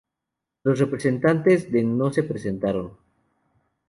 Los representantes de no se presentaron.